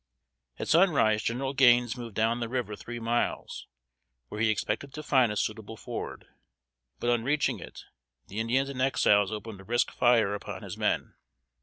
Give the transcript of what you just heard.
At sunrise, General Gaines moved down the river three miles, where he expected to find a suitable ford; but on reaching it, the Indians and Exiles opened a brisk fire upon his men.